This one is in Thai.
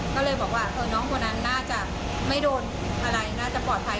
ก็เลยบอกว่าน้องคนนั้นน่าจะไม่โดนอะไรน่าจะปลอดภัย